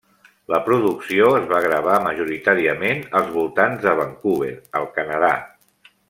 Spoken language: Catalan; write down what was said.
La producció es va gravar majoritàriament als voltants de Vancouver, al Canadà.